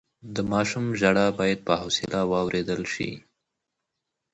د ماشوم ژړا بايد په حوصله واورېدل شي.